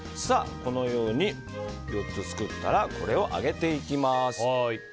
このように４つ作ったらこれを揚げていきます。